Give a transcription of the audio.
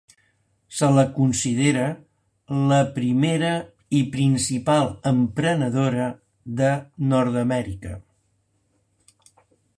Se la considera la "primera i principal emprenedora" de Nord-amèrica.